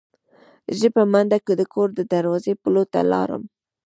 زه په منډه د کور د دروازې پلو ته لاړم.